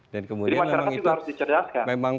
jadi masyarakat juga harus diceritakan